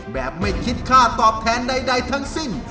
แบบไม่คิดค่าตอบแทนใดทั้งสิ้น